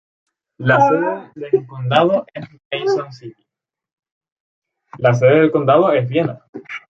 La sede de condado es Vienna.